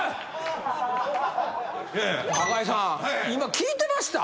今聞いてました？